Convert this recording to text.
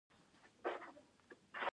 افغانستان کې لوگر د خلکو د خوښې وړ ځای دی.